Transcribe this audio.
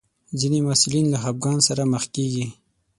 ځینې محصلین له خپګان سره مخ کېږي.